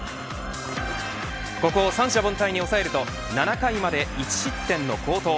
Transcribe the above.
ここを三者凡退に抑えると７回まで投げ１失点の好投。